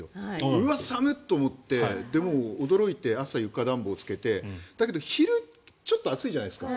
うわっ、寒と思って驚いて朝、床暖房つけてだけど昼ちょっと暑いじゃないですか。